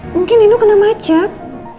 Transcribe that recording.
mungkin nino kena macet